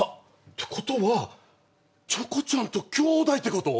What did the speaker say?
ってことはチョコちゃんときょうだいってこと？